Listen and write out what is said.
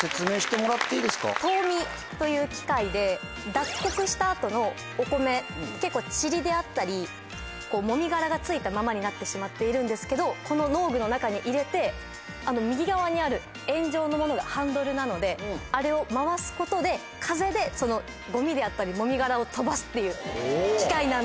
脱穀した後のお米結構ちりであったりもみ殻が付いたままになってしまっているんですけどこの農具の中に入れてあの右側にある円状のものがハンドルなのであれを回すことで風でゴミであったりもみ殻を飛ばすっていう機械なんです。